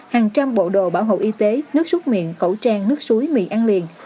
hàng trăm bộ đồ bảo hộ y tế nước xúc miệng khẩu trang nước suối mì ăn liền